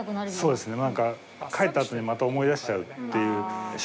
そうですね